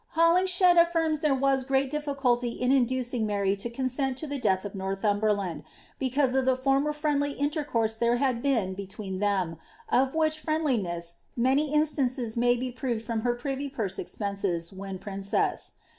Hmlin^phed affirms ihere was great diffienlly in iniludil^'fl Vbiry to eoiuent to the death orNorihiimberiBml, because or ihe formei, ; JHendly iniercourte there had been between them, of which friendlin niHiy instances may be proved from her privy purse expenses' wheo princess.